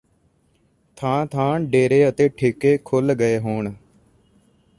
ਥਾਂ ਥਾਂ ਡੇਰੇ ਅਤੇ ਠੇਕੇ ਖੁੱਲ ਗਏ ਹੋਣ